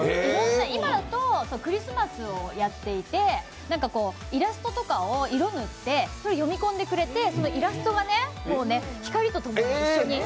今だとクリスマスをやっていてイラストとかを色塗って、それを読み込んでくれてそのイラストが光とともに一緒に。